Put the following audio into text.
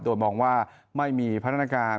โดยมองว่าไม่มีพัฒนาการ